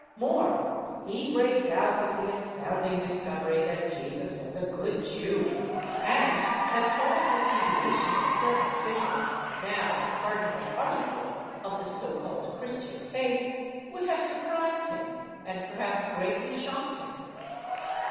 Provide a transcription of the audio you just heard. More, he breaks out with the astounding discovery that Jesus was a good Jew, and that Paul's repudiation of circumcision (now a cardinal article of the so called Christian faith) would have surprised Him and perhaps greatly shocked Him.